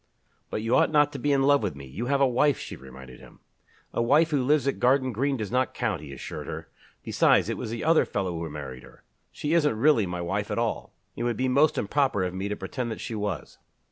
"But you ought not to be in love with me you have a wife," she reminded him. "A wife who lives at Garden Green does not count," he assured her. "Besides, it was the other fellow who married her. She isn't really my wife at all. It would be most improper of me to pretend that she was."